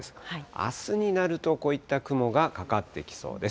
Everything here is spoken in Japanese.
あすになるとこういった雲がかかってきそうです。